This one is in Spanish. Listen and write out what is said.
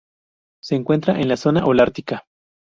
Se encuentra en la zona holártica.